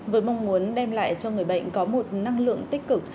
với mong muốn đem lại cho người bệnh có một năng lượng tích cực